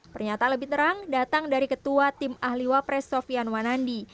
pernyataan lebih terang datang dari ketua tim ahli wapres sofian wanandi